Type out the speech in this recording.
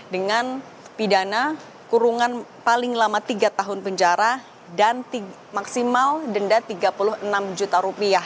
dengan pidana kurungan paling lama tiga tahun penjara dan maksimal denda rp tiga puluh enam juta rupiah